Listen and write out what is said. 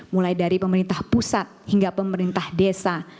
mulai dari pemerintah pusat hingga pemerintah desa